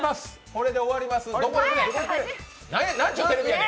これで終わります。